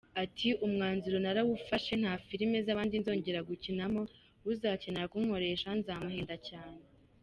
Ati “Umwanzuro narawufashe, nta film z’abandi nzongera gukinamo, uzakenera kunkoresha nzamuhenda cyane.